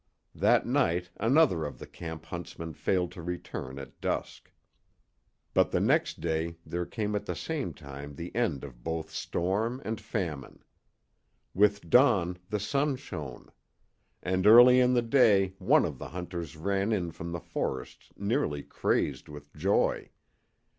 That night another of the camp huntsmen failed to return at dusk. But the next day there came at the same time the end of both storm and famine. With dawn the sun shone. And early in the day one of the hunters ran in from the forest nearly crazed with joy.